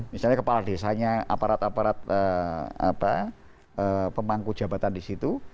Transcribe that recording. misalnya kepala desanya aparat aparat pemangku jabatan di situ